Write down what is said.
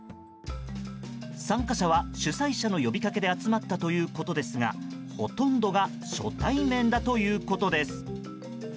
参加者は主催者の呼びかけで集まったということですがほとんどが初対面だということです。